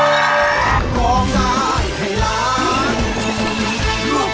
โปรดรับข้อความจากใจใกล้ไหนห้องใจ